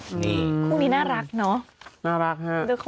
คู่นี้น่ารักเนอะ